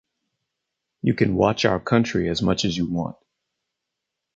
You can watch our country as much as you want.